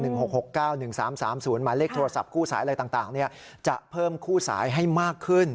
หมายเลขโทรศัพท์คู่สายอะไรต่างจะเพิ่มคู่สายให้มากขึ้น